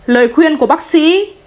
lời khuyên của bác sí